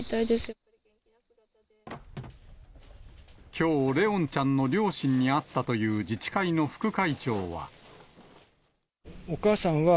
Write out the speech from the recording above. きょう、怜音ちゃんの両親に会ったという自治会の副会長は。